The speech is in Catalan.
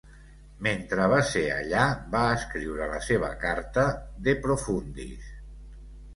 Mentre va ser allà, va escriure la seva carta "De Profundis".